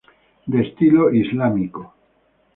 De estilo islámico.